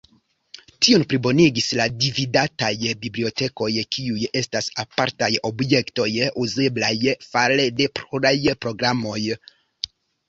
Tion plibonigis la "dividataj" bibliotekoj, kiuj estas apartaj objektoj uzeblaj fare de pluraj programoj.